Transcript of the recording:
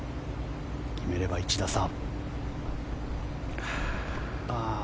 決めれば１打差。